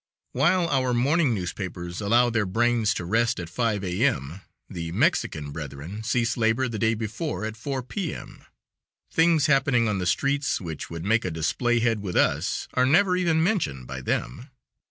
While our morning newspapers allow their brains to rest at 5 A.M., the Mexican brethren cease labor the day before at 4 P.M. Things happening on the streets, which would make a "display head" with us, are never even mentioned by them.